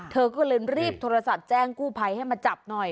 เธอก็เลยรีบโทรศัพท์แจ้งกู้ภัยให้มาจับหน่อย